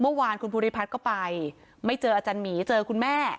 เมื่อวานคุณภูริพัฒน์ก็ไปไม่เจออาจารย์หมีเจอคุณแม่